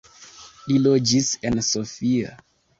Li loĝis en Sofia.